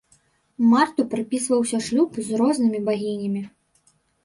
Марту прыпісваўся шлюб з рознымі багінямі.